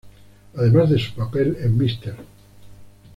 Además de su papel en "Mr.